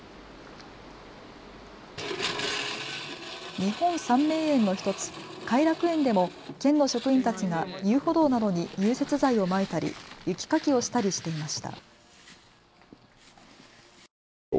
日本三名園の１つ偕楽園でも県の職員たちが遊歩道などに融雪剤をまいたり雪かきをしたりしていました。